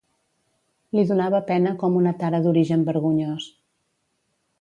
...li donava pena com una tara d'origen vergonyós.